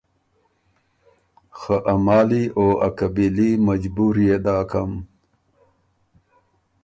خه ا مالی او ا قبیلي مجبُوريې داکم۔